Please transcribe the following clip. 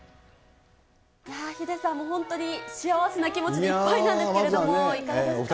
いやー、ヒデさん、本当に幸せな気持ちでいっぱいなんですけれども、いかがですか。